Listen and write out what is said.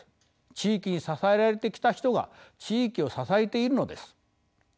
地域に支えられてきた人が地域を支えているのです。